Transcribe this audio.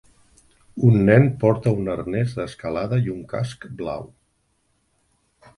Un nen porta un arnés d'escalada i un casc blau